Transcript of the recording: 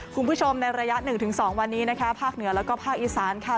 คุณผู้ชมในระยะ๑๒วันนี้นะคะภาคเหนือแล้วก็ภาคอีสานค่ะ